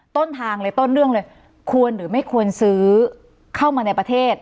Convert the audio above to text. ต้นทางเลยต้นเรื่องเลยควรหรือไม่ควรซื้อเข้ามาในประเทศ